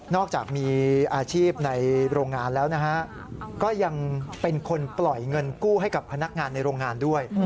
นอกจากมีอาชีพในโรงงานแล้ว